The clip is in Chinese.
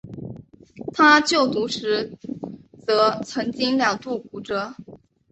他就读时则曾经两度骨折。